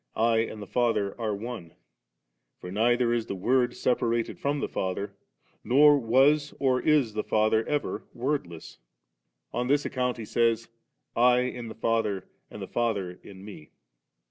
<I and the Father are One',*' for neither is the Word separated from the Father, nor was or is the Fadier ever Wordless ; on this account He says, ' I in the Father and the Father in Mel' 3.